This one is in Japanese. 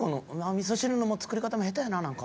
味噌汁の作り方も下手やななんか。